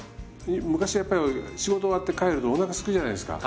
昔やっぱり仕事終わって帰るとおなかすくじゃないですか。